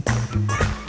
daffin baru semenat